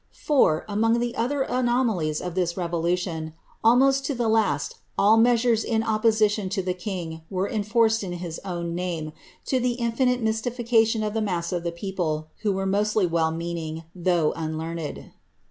For, among the other anomalies of this revolution, almost to the last all measures in op position to the king were enforced in his own name, to the infinite mys tificatioo of the mass of the people, who were mostly well meaning, though unlearned.